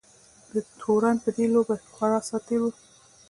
د تورن په دې لوبه خورا ساعت تېر وو.